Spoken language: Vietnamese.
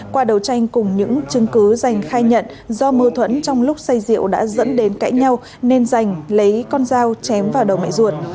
qua đầu tranh cùng những chứng cứ giành khai nhận do mơ thuẫn trong lúc xây rượu đã dẫn đến cãi nhau nên giành lấy con dao chém vào đầu mẹ ruột